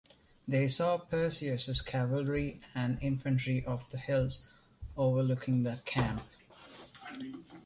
They saw Perseus' cavalry and infantry of the hills overlooking the camp.